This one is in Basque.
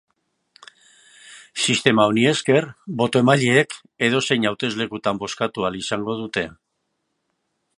Sistema honi esker, boto-emaileek edozein hauteslekutan bozkatu ahal izango dute.